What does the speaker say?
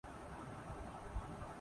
انڈونیثیائی